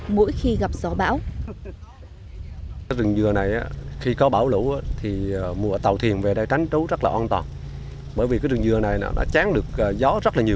mỗi khi gặp gió bão